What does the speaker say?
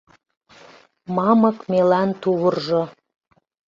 Мамык мелан тувыржо